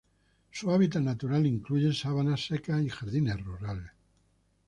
Su hábitat natural incluye sabanas secas y jardines rurales.